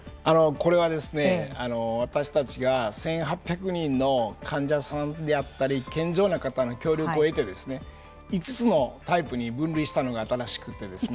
これは私たちが１８００人の患者さんであったり健常な方の協力を得て５つのタイプに分類したのが新しくてですね。